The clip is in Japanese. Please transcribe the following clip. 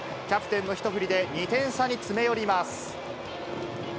キャプテンの一振りで２点差に詰め寄ります。